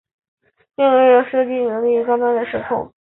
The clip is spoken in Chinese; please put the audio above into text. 并没有行进间射击能力和较高端的射控系统。